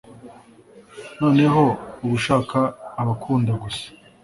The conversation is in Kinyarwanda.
Noneho uba ushaka ababakunda gusa